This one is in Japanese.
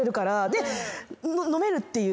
でのめるっていう。